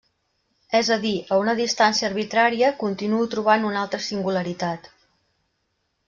És a dir, a una distància arbitrària, continuo trobant una altra singularitat.